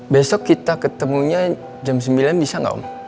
besok kita ketemunya jam sembilan bisa nggak om